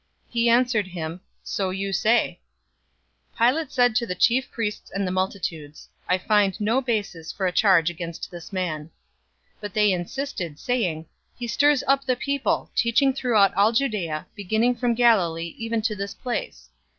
He answered him, "So you say." 023:004 Pilate said to the chief priests and the multitudes, "I find no basis for a charge against this man." 023:005 But they insisted, saying, "He stirs up the people, teaching throughout all Judea, beginning from Galilee even to this place."